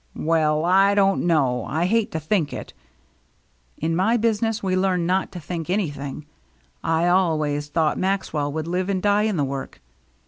"Well, I don't know. I hate to think it." "In my business we learn not to think any thing. I always thought Maxwell would live and die in the work.